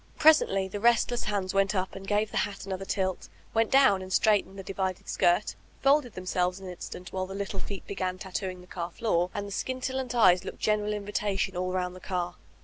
Presently the restless hands went up and gave the hat another tilt, went down and straight* ened the "divided skirt," folded themselves an instant while the little feet began tattooing the car floor, and the scintillant eyes looked general mvitation all round Wheke the White Rose Died 467 the car.